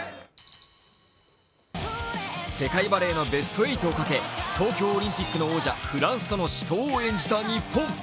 世界バレーのベスト８をかけ東京オリンピックの王者フランスとの死闘を演じた日本。